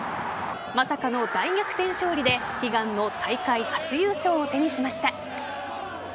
まさかの大逆転勝利で悲願の大会初優勝を手にしました。